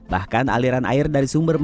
bahkan aliran air dari suatu kabel tersebut